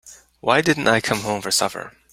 Why didn't I come home for supper?